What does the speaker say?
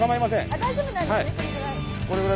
大丈夫なんですねこのぐらい。